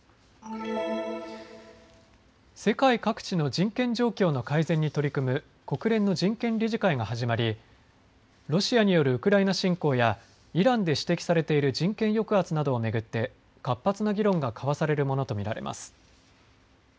世界各地の人権状況の改善に取り組む国連の人権理事会が始まりロシアによるウクライナ侵攻やイランで指摘されている人権抑圧などを巡って活発な議論が交わされるものと見られます。